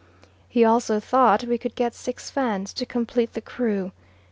He also thought we could get six Fans to complete the crew.